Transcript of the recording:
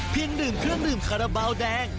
ดื่มเครื่องดื่มคาราบาลแดง